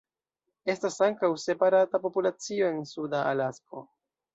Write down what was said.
Estas ankaŭ separata populacio en Suda Alasko.